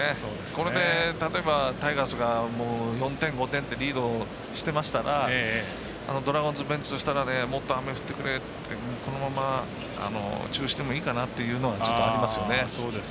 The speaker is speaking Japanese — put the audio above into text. これで例えばタイガースが４点、５点ってリードをしてましたらドラゴンズベンチとしたらもっと雨降ってくれってこのまま中止でもいいかなっていうのはちょっとありますよね。